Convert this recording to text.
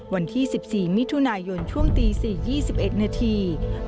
วันที่๑๔มิถุนายนช่วงตี๔๒๑นาที